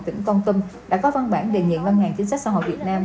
tỉnh con tâm đã có văn bản đề nghị ngân hàng chính sách xã hội việt nam